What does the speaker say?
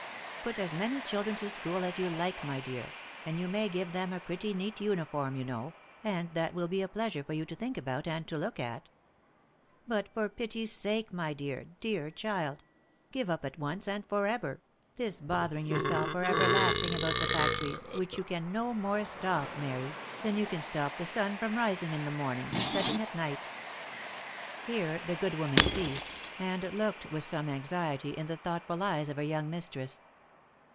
Put as many children to school as you like, my dear, and you may give them a pretty neat uniform, you know, and that will be a pleasure for you to think about, and to look at ; but for pity's sake my dear, dear, child ! give up at once, and for ever, this bothering yourself for everlasting about the factories, which you can no more stop, Mary, than you can stop the sun from rising in the morning, and setting at night." Here the good woman ceased, and looked with some anxiety in the thoughtful eyes of her young mistress.